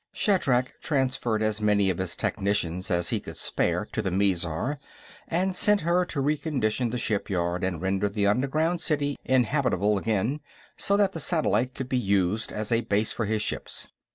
Shatrak transferred as many of his technicians as he could spare to the Mizar and sent her to recondition the shipyard and render the underground city inhabitable again so that the satellite could be used as a base for his ships.